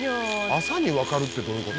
朝にわかるってどういう事？